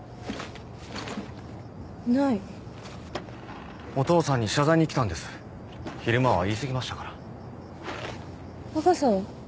ないお父さんに謝罪に来たんです昼間は言いすぎましたからアガサは？